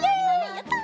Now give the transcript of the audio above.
やった！